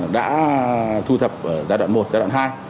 đã thu thập ở giai đoạn một giai đoạn hai